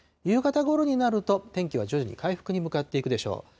夕方ごろになると、天気は徐々に回復に向かっていくでしょう。